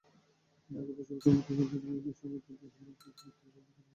ঢাকায় বসবাসরত মুক্তিযোদ্ধারা বিভিন্ন সময় তাঁদের হোল্ডিং ট্যাক্স মওকুফের আবেদন করেছেন।